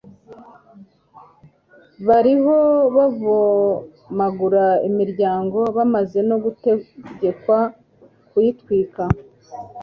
bariho babomagura imiryango bamaze no gutegekwa kuyitwika